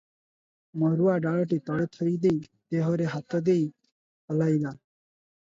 ମରୁଆ ଢାଳଟି ତଳେ ଥୋଇଦେଇ ଦେହରେ ହାତ ଦେଇ ହଲାଇଲା ।